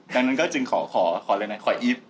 ดังนั้นก็จึงขอขอเรียกนะขออีฟ